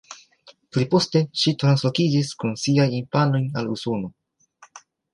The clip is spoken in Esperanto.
Pli poste, ŝi translokiĝis kun siaj infanoj al Usono.